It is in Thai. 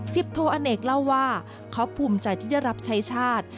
โทอเนกเล่าว่าเขาภูมิใจที่ได้รับใช้ชาติ